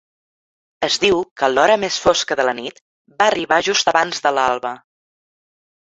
Es diu que l'hora més fosca de la nit va arribar just abans de l'alba.